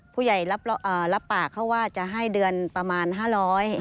ผู้ใหญ่รับปากเขาว่าจะให้เดือนประมาณ๕๐๐บาท